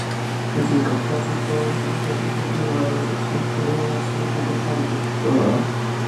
Es incapaz de todo esfuerzo continuado y su sexualidad ha sido completamente perturbada.